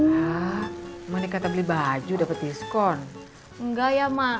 hai money kata beli baju dapet diskon enggak ya mak ya alhamdulillah